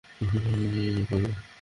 সে একা পারবে না।